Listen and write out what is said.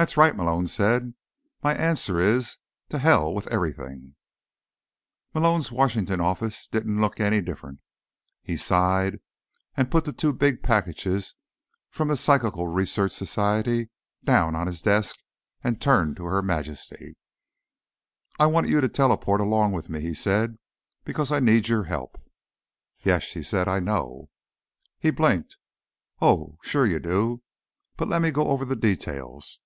"That's right," Malone said. "My answer is: to hell with everything." Malone's Washington offices didn't look any different. He sighed and put the two big packages from the Psychical Research Society down on his desk, and then turned to Her Majesty. "I wanted you to teleport along with me," he said, "because I need your help." "Yes," she said. "I know." He blinked. "Oh. Sure you do. But let me go over the details."